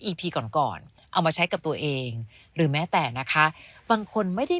พีก่อนก่อนเอามาใช้กับตัวเองหรือแม้แต่นะคะบางคนไม่ได้